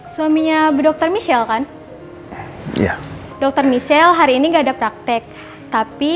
suaminya berdokter michelle kan iya dokter michelle hari ini enggak ada praktek tapi